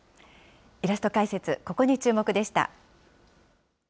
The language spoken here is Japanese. イラスト解説、ここに注目でした。